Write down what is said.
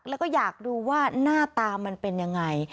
แล้วก็อยากดูว่าหน้าตามันเป็นยังไง